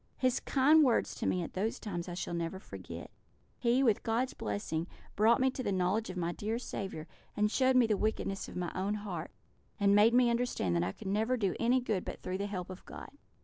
His kind words to me at those times I shall never forget; he, with God's blessing, brought me to the knowledge of my dear Saviour, and showed me the wickedness of my own heart, and made me understand that I never could do any good but through the help of God."